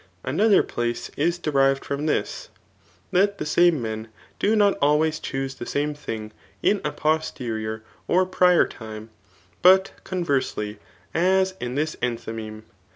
Another place is derived from this, that the same men do not ahrays choose the same thing in a posterior or prior time, but conversely ; as in this enthymeme.